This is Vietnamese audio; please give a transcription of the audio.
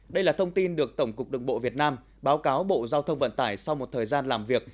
đây là thông tin được tổng cục đường bộ việt nam báo cáo bộ giao thông vận tải sau một thời gian làm việc